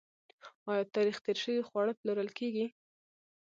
آیا تاریخ تیر شوي خواړه پلورل کیږي؟